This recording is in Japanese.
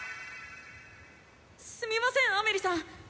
「すみませんアメリさん！